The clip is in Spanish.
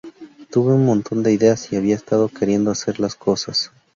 Tuve un montón de ideas y había estado queriendo hacer las cosas.